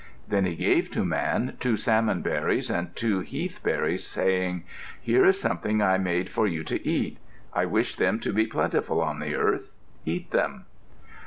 Then he gave to Man two salmon berries and two heath berries, saying, "Here is something I made for you to eat. I wish them to be plentiful on the earth. Eat them."